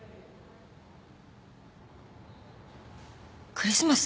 クリスマス